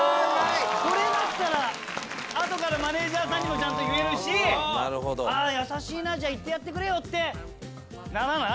これだったら後からマネージャーさんにもちゃんと言えるし「あぁ優しいなじゃあ行ってやってくれよ」ってならない？